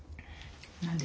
何で？